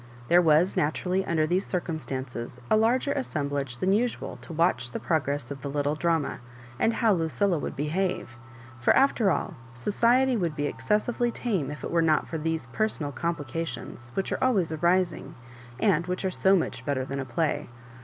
There was naturally, under these circumstances, a larger assemblage than usual to watch the pro gress of the little drama, and how Lucilla would behave; for, after all, society would be excessive ly tame if it were not for these personal compli cations, which are always arising, and which are so much better than a play.